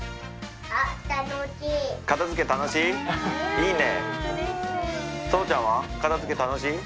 いいね。